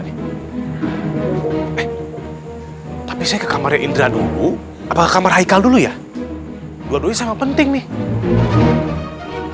eh tapi saya ke kamarnya indra dulu apa kamar haikal dulu ya dua duanya sama penting nih